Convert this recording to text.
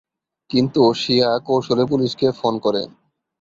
কিন্তু সিয়া কৌশলে পুলিশকে ফোন করে।